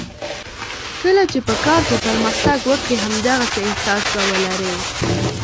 کله چې په کار کې پرمختګ وکړې همدغسې احساس به ولرې.